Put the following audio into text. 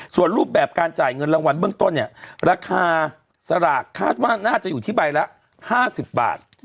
ส่วนรูปแบบการจ่ายเงินรางวัลเบื้องต้นเนี่ยราคาสลากคาดว่าน่าจะอยู่ที่ใบละ๕๐บาท